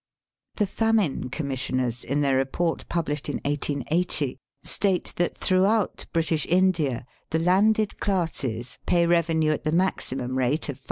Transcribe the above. The Famine Commissioners, in their report published in 1880, state that throughout British India the landed classes pay revenue at the maximum rate of 5s.